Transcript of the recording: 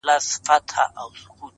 کيسې د پروني ماښام د جنگ در اچوم،